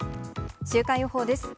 週間予報です。